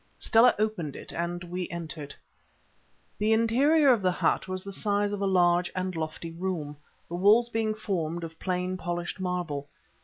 Stella opened it, and we entered. The interior of the hut was the size of a large and lofty room, the walls being formed of plain polished marble.